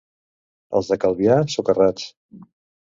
Els de Calvià, socarrats.